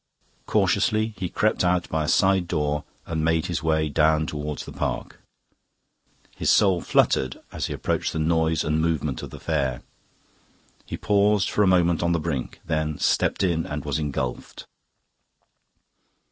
Cautiously he crept out by a side door and made his way down towards the park. His soul fluttered as he approached the noise and movement of the fair. He paused for a moment on the brink, then stepped in and was engulfed.